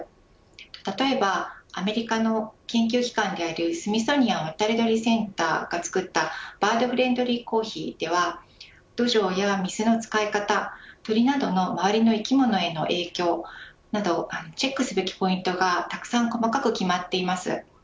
例えばアメリカの研究機関であるスミソニアン渡り鳥センターが作ったバードフレンドリーコーヒーでは土壌や水の使い方鳥などの周りの生き物への影響などチェックすべきポイントがたくさん細かく決まっています。